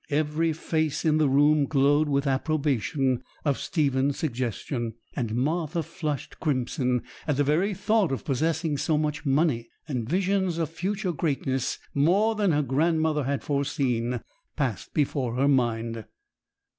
Every face in the room glowed with approbation of Stephen's suggestion; and Martha flushed crimson at the very thought of possessing so much money; and visions of future greatness, more than her grandmother had foreseen, passed before her mind.